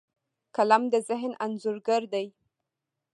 قلم د ذهن انځورګر دی